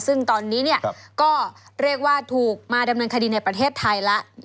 ซึ่งตอนนี้ก็เรียกว่าถูกมาดำเนินคดีในประเทศไทยแล้ว